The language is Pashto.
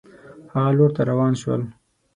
هغه لور ته روان شول.